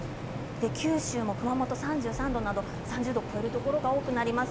九州も熊本３３度など３０度を超えるところが多くなります。